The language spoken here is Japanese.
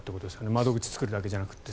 窓口を作るだけじゃなくて。